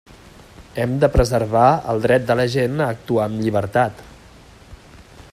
Hem de preservar el dret de la gent a actuar amb llibertat.